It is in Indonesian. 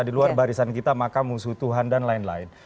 di luar barisan kita maka musuh tuhan dan lain lain